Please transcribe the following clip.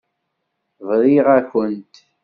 Briɣ-akent.